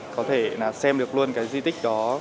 có thể xem được luôn cái di tích đó